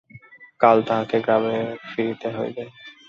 কাল তাহাকে গ্রামে ফিরিতে হইবে।